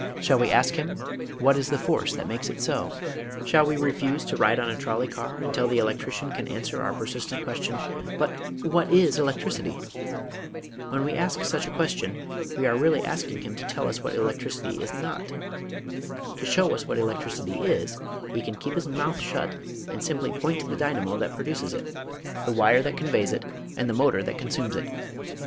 Shall we ask him, what is the force that makes it so ? Shall we refuse to ride on a trolley car until the electrician can answer our persistent ques tion; " but what is electricity? " When we ask such a question we are really asking him to tell us what elec tricity is not. To show us what electricity is he can keep his mouth shut and simply point to the dynamo that produces it, the wire that conveys it and the motor that consumes it.